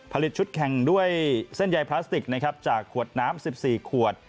ผลิตชุดแข่งด้วยเส้นใยพลาสติกนะครับจากขวดน้ำ๑๔ขวด